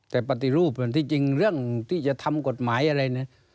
แต่ปฏิรูปที่จริงเรื่องที่จะทำกฎหมายอะไรเนี่ย